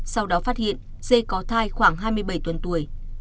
sau đó phát hiện dê có thai khoảng hai mươi bảy tuần tuổi